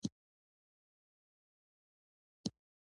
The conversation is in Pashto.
د ساحې توپوګرافي د سرک طولي میل او ګولایي ټاکي